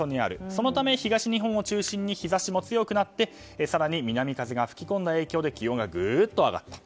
そのため、東日本を中心に日差しも強くなって更に南風が吹き込んだ影響で気温がぐっと上がった。